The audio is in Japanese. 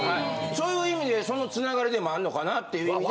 そういう意味でその繋がりでもあるのかなっていう意味で。